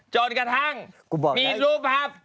จนกระทั่งมีรูปครับ